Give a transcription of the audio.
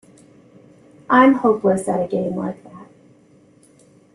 I'm hopeless at a game like that.